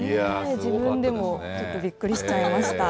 自分でもちょっとびっくりしちゃいました。